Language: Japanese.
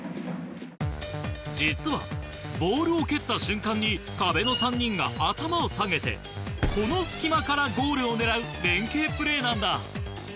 実はボールを蹴った瞬間に壁の３人が頭を下げてこの隙間からゴールを狙う連係プレーなんだ。